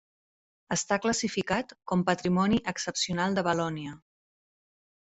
Està classificat com patrimoni excepcional de Valònia.